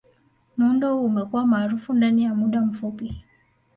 Muundo huu umekuwa maarufu ndani ya muda mfupi.